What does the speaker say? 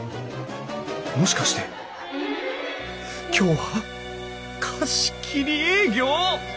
もしかして今日は貸し切り営業？